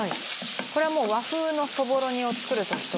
これは和風のそぼろ煮を作る時と。